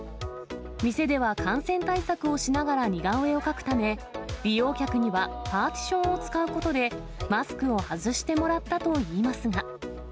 店では感染対策をしながら似顔絵を描くため、利用客にはパーティションを使うことで、マスクを外してもらったといいますが。